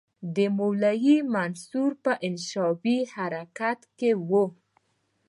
د مولوي منصور په انشعابي حرکت کې وو.